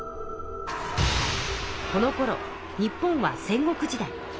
このころ日本は戦国時代。